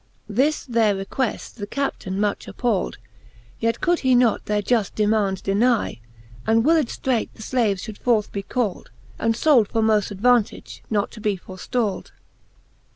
This their requeft the Captaine much appalled ; Yet could he not their juft demaund deny, And willed ftreight the flaves fhould forth be called, And fold for moft advantage, not to be forftalled.